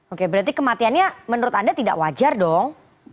oke berarti kematiannya menurut anda tidak wajar dong